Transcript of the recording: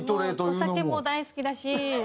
お酒も大好きだし。